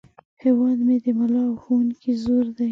هیواد مې د ملا او ښوونکي زور دی